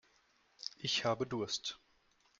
Ich habe Durst.